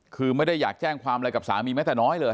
คือไม่ได้อยากแจ้งความอะไรกับสามีแม้แต่น้อยเลย